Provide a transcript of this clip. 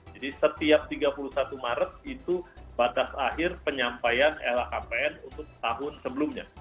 jadi setiap tiga puluh satu maret itu batas akhir penyampaian lhkpn untuk tahun sebelumnya